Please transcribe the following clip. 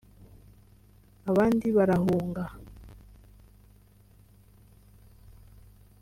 abandi barahunga